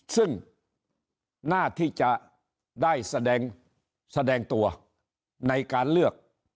ซึ่งหน้าที่จะได้แสดงตัวในการเลือก